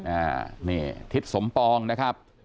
อ่านี่ทิศสมปองนะครับ